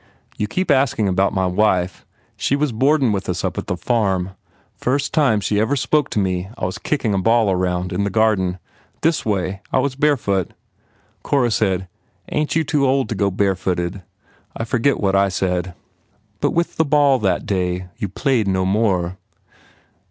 "You keep asking about my wife. She was boardin with us at the farm. First time she ever spoke to me I was kicking a ball around, in the garden. This way. I was barefoot. Cora said, Ain t you too old to go barefooted? I forget what I said." "But with the ball that day you played no more?"